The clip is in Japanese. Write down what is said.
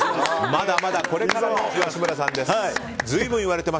まだまだこれからの吉村さんです。